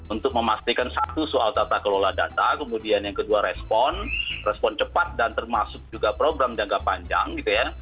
untuk memastikan satu soal tata kelola data kemudian yang kedua respon respon cepat dan termasuk juga program jangka panjang gitu ya